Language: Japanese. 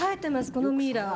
このミイラは。